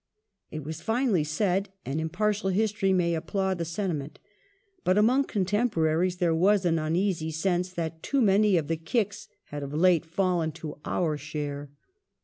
It was finely said, and impartial history may applaud the sentiment, but among contemporaries there was an uneasy sense that too many of the kicks had of late fallen to our share.